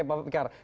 oke bapak fikar